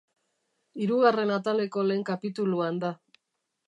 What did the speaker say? Hirugarren ataleko lehen kapituluan da.